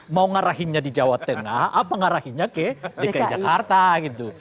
mau ngarahinnya di jawa tengah apa ngarahinnya ke dki jakarta gitu